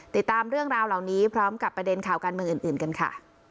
ติดตามเรื่องราวเหล่านี้พร้อมกับประเด็นข่าวการเมืองอื่นกันค่ะ